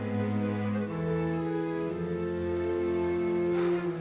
aku berpikirnya benar benar udah sukses juga